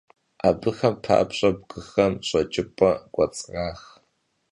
Abıxem papş'e bgıxem ş'eç'ıp'e k'uets'rax.